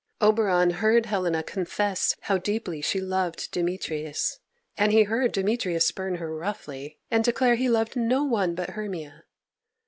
Oberon heard Helena confess how deeply she loved Demetrius, and he heard Demetrius spurn her roughly, and declare he loved no one but Hermia.